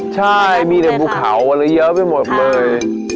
ใช่มีแต่บุคเขาเยอะไปหมดเลย